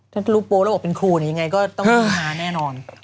ถ้ารูปโประบบเป็นครูนี้ยังไงก็ต้องมาแน่นอน